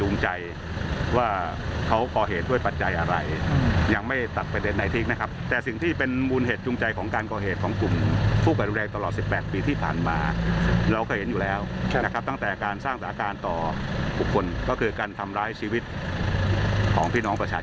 ในครั้งต้องการทำลายสัญลักษณ์ทางเศรษฐกิจ